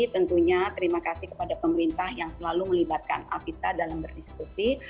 tentunya terima kasih kepada pemerintah yang selalu melibatkan afita dalam berdiskusi